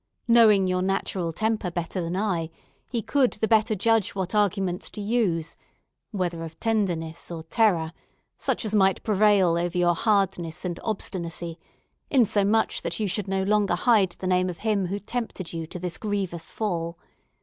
Knowing your natural temper better than I, he could the better judge what arguments to use, whether of tenderness or terror, such as might prevail over your hardness and obstinacy, insomuch that you should no longer hide the name of him who tempted you to this grievous fall.